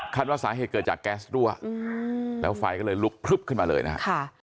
ค่ะคันว่าสาเหตุเกิดจากแก๊สด้วยอืมแล้วไฟก็เลยลุกขึ้นมาเลยนะครับ